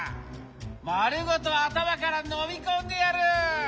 まるごとあたまからのみこんでやる！